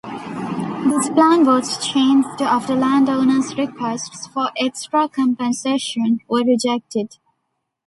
This plan was changed after landowners' requests for extra compensation were rejected.